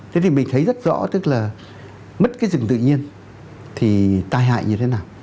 thế thì mình thấy rất rõ tức là mất cái rừng tự nhiên thì tai hại như thế nào